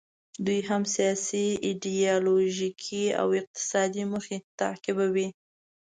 دوی هم سیاسي، ایډیالوژیکي او اقتصادي موخې تعقیبوي.